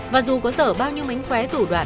và dù có dở bao nhiêu mánh khóe thủ đoạn